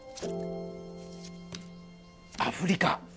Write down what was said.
アフリカ。